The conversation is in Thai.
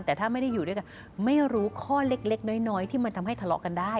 แต่ถ้าไม่ได้อยู่ด้วยกันไม่รู้ข้อเล็กน้อยที่มันทำให้ทะเลาะกันได้